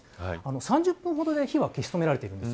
３０分ほどで火は消し止められているんです。